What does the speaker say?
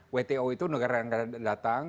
wto itu negara negara datang